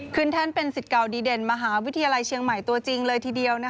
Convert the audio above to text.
แท่นเป็นสิทธิ์เก่าดีเด่นมหาวิทยาลัยเชียงใหม่ตัวจริงเลยทีเดียว